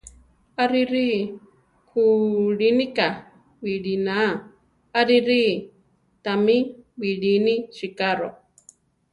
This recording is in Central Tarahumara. Arirí! kulínika biʼliná! arirí ! Támi biʼlíni sicaro!